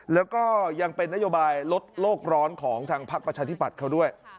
แล้วก็ยังเป็นนโยบายลดโลกร้อนของทางพักประชาธิบัติเขาด้วย